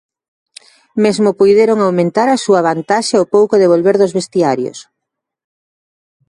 Mesmo puideron aumentar a súa vantaxe ao pouco de volver dos vestiarios.